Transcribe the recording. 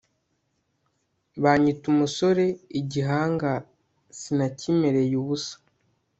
banyita umusore igihanga sinakimereye ubusa